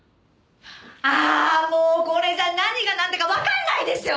ああもうこれじゃ何がなんだかわかんないでしょ！